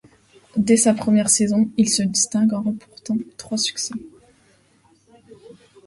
Dès sa première saison, il se distingue en remportant trois succès.